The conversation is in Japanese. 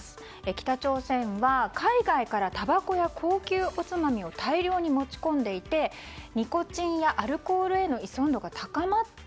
北朝鮮は海外からたばこや高級おつまみを大量に持ち込んでいてニコチンやアルコールへの依存度が高まった。